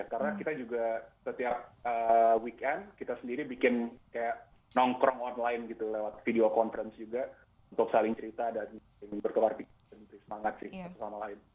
karena kita juga setiap weekend kita sendiri bikin kayak nongkrong online gitu lewat video conference juga untuk saling cerita dan berkeluar biasa